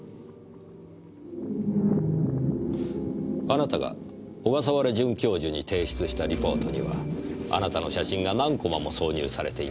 あなたが小笠原准教授に提出したリポートにはあなたの写真が何コマも挿入されていました。